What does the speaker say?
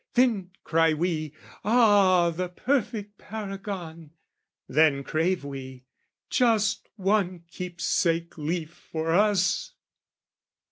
Then cry we, "Ah, the perfect paragon!" Then crave we, "Just one keepsake leaf for us!"